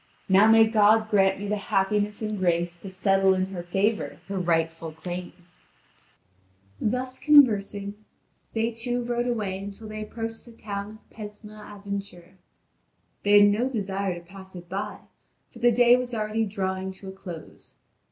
Now may God grant me the happiness and grace to settle in her favour her rightful claim." (Vv. 5107 5184.) Thus conversing, they two rode away until they approached the town of Pesme Avanture. They had no desire to pass it by, for the day was already drawing to a close.